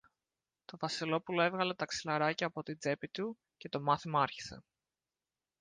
Το Βασιλόπουλο έβγαλε τα ξυλαράκια από την τσέπη του και το μάθημα άρχισε.